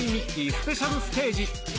スペシャルステージ。